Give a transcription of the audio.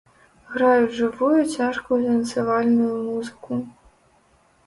Граюць жывую цяжкую танцавальную музыку.